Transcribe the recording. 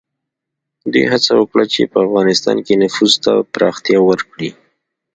دوی هڅه وکړه چې په افغانستان کې نفوذ ته پراختیا ورکړي.